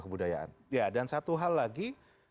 kebudayaan ya dan satu hal lagi